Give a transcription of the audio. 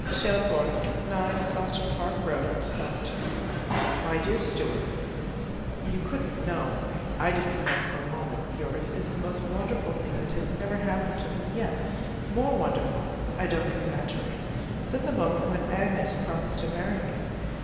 Shelthorpe, 9 Sawston Park Road Sawston My Dear Stewart, You couldn't know. I didn't know for a moment. But this letter of yours is the most wonderful thing that has ever happened to me yet more wonderful (I don't exaggerate) than the moment when Agnes promised to marry me.